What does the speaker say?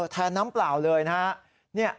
แทนน้ำเปล่าเลยนะ